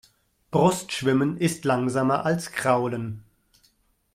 Brustschwimmen ist langsamer als Kraulen.